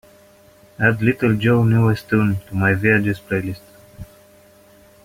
Add little joe newest tune to my viajes playlist